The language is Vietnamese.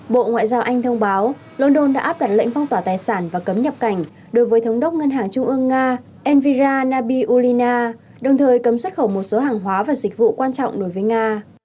bộ ngoại giao anh thông báo london đã áp đặt lệnh phong tỏa tài sản và cấm nhập cảnh đối với thống đốc ngân hàng trung ương nga nvira nabi ulina đồng thời cấm xuất khẩu một số hàng hóa và dịch vụ quan trọng đối với nga